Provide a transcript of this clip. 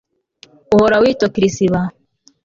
Uhora witochrisba